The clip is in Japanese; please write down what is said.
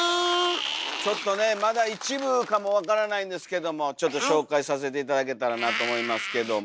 ちょっとねまだ一部かもわからないんですけどもちょっと紹介させて頂けたらなと思いますけども。